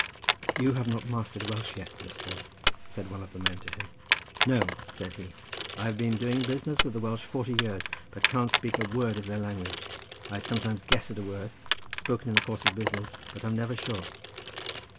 "You have not mastered Welsh yet, Mr. —" said one of the men to him. "No!" said he: "I have been doing business with the Welsh forty years, but can't speak a word of their language. I sometimes guess at a word, spoken in the course of business, but am never sure."